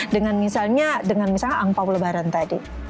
dengan misalnya ang pao lebaran tadi